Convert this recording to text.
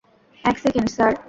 এক second, sir.